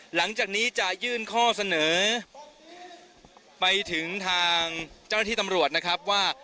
หลังจากนี้จะยื่นข้อเสนอไปถึงทางเจ้าหน้าที่ตำรวจนะครับว่า